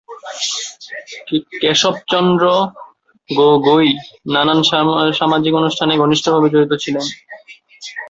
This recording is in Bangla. কেশব চন্দ্র গগৈ নানান সামাজিক অনুষ্ঠানে ঘনিষ্ঠ ভাবে জড়িত ছিলেন।